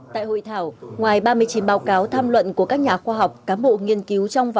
tại hội thảo ngoài ba mươi chín báo cáo tham luận của các nhà khoa học cám bộ nghiên cứu trong và